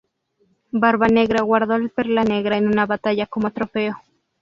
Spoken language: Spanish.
Barbanegra guardó el Perla Negra en una botella como trofeo.